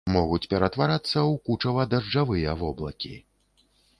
Могуць ператварацца ў кучава-дажджавыя воблакі.